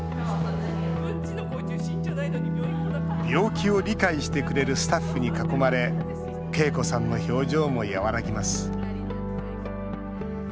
病気を理解してくれるスタッフに囲まれ恵子さんの表情も和らぎます